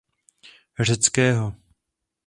Řeckého.